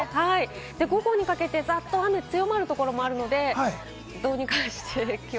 午後にかけて、ざっと雨強まるところもあるので、どうにかしてきょう。